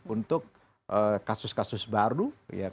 untuk kasus kasus baru